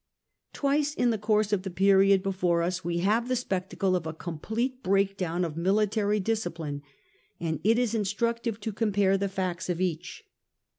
Twice in the course of the period before us we have the spectacle of a complete breakdown of military dis cipline, and it is instructive to compare the Two exam facts of each.